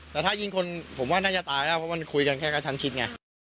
แต่ถ้ายิงคนผมว่าน่าจะตายแล้วเพราะมันคุยกันแค่กระชั้นชิดไง